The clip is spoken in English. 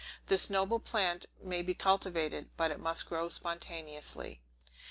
This noble plant may be cultivated; but it must grow spontaneously.